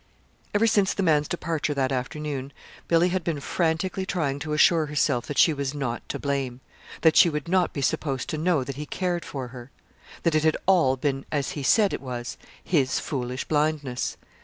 Ever since the man's departure that afternoon, Billy had been frantically trying to assure herself that she was not to blame; that she would not be supposed to know he cared for her; that it had all been as he said it was his foolish blindness.